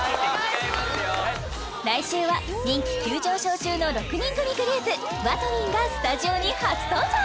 来週は人気急上昇中の６人組グループＷＡＴＷＩＮＧがスタジオに初登場・